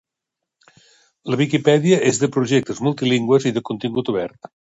La Viquipèdia és de projectes multilingües i de contingut obert.